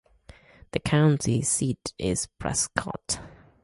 The county seat is Prescott.